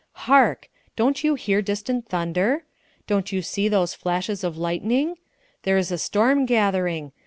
Hark! Don't you hear distant thunder? Don't you see those flashes of lightning? There is a storm gathering!